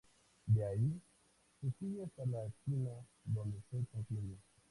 De ahí, se sigue hasta la esquina, donde se concluye.